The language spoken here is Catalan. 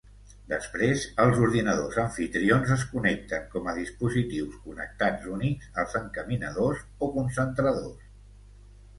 Després els ordinadors amfitrions es connecten com a dispositius connectats únics als encaminadors o concentradors.